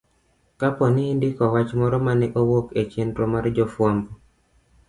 Kapo ni indiko wach moro mane owuok e chenro mar jofwambo,